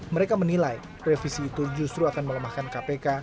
mereka menilai revisi itu justru akan melemahkan kpk